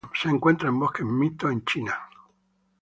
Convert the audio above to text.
Se encuentra en bosques mixtos en China.